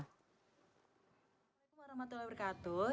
assalamualaikum warahmatullahi wabarakatuh